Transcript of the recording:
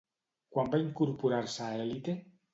Quan va incorporar-se a Élite?